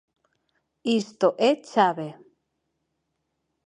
Isto é chave.